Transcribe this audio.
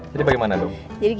jadi bagaimana dong